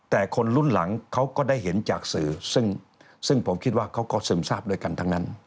แต่คนรุ่นหลังเขาก็ได้เห็นจากสื่อซึ่งผมคิดว่าเขาก็ซึมทราบด้วยกันทั้งนั้น